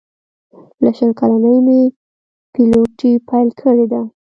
له شل کلنۍ مې پیلوټي پیل کړې ده.